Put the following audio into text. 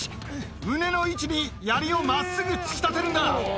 胸の位置にやりをまっすぐ突き立てるんだ。